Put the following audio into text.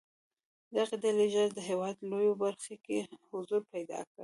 دغې ډلې ژر د هېواد لویو برخو کې حضور پیدا کړ.